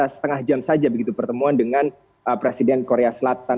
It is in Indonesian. setengah jam saja begitu pertemuan dengan presiden korea selatan